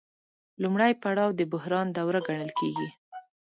لومړی پړاو د بحران دوره ګڼل کېږي